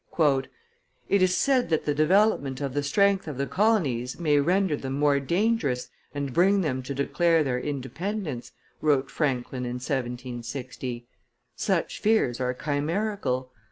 "It is said that the development of the strength of the colonies may render them more dangerous and bring them to declare their independence," wrote Franklin in 1760; "such fears are chimerical.